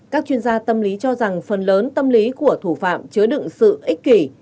các chuyên gia tâm lý cho rằng phần lớn tâm lý của thủ phạm chứa đựng sự ích kỷ